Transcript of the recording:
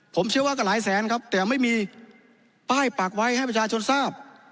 ผมเชื่อว่าก็หลายแสนครับแต่ไม่มีป้ายปากไว้ให้ประชาชนทราบ